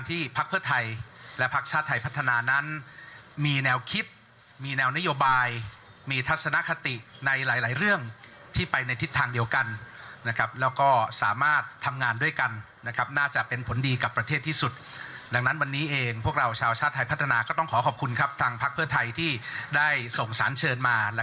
ที่จะสร้างพักเพื่อไทยที่ได้ส่งสารเชิญมา